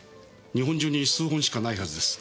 日本中に数本しかないはずです。